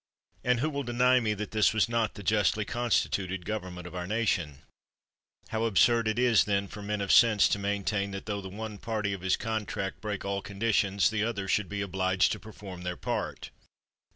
And who will deny me that this was not the justly constituted government of our nation? How absurd is it, then, for men of sense to main tain that tho the one party of his contract break all conditions, the other should be obliged to perform their part